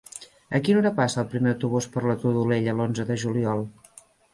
A quina hora passa el primer autobús per la Todolella l'onze de juliol?